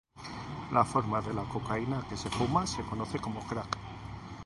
La forma de la cocaína que se fuma se conoce como crack.